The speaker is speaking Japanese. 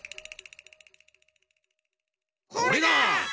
これだ！